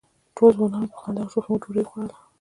ټول ځوانان وو، په خندا او شوخۍ مو ډوډۍ وخوړله.